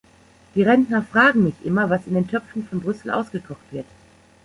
Die Rentner fragen mich immer, was in den Töpfen von Brüssel ausgekocht wird.